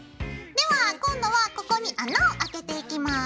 では今度はここに穴をあけていきます。